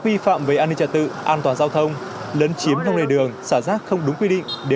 vi phạm về an ninh trật tự an toàn giao thông lấn chiếm lòng lề đường xả rác không đúng quy định